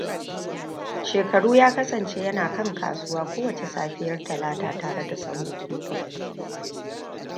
Shekaru ya kasance yana kan kasuwa kowace safiya Talata tare da sahun kifin.